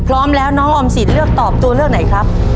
พร้อมแล้วน้องออมสินเลือกตอบตัวเลือกไหนครับ